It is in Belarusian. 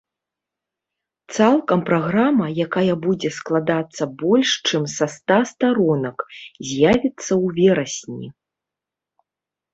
Цалкам праграма, якая будзе складацца больш чым са ста старонак, з'явіцца ў верасні.